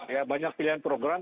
ya banyak pilihan program